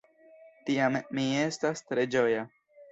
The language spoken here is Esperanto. Tiam mi estas tre ĝoja.